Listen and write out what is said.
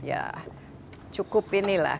ya cukup ini lah